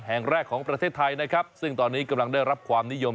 แห่งแรกของประเทศไทยนะครับซึ่งตอนนี้กำลังได้รับความนิยม